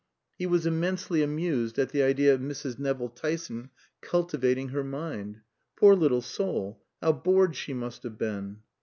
He was immensely amused at the idea of Mrs. Nevill Tyson cultivating her mind. Poor little soul, how bored she must have been!